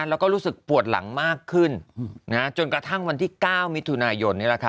แล้วก็รู้สึกปวดหลังมากขึ้นจนกระทั่งวันที่๙มิถุนายน